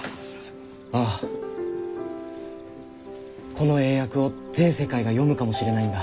この英訳を全世界が読むかもしれないんだ。